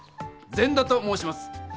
善田と申します。